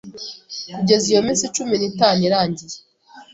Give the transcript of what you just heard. kugeza iyo minsi cumi nitanu irangiye